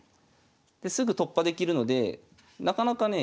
ですぐ突破できるのでなかなかね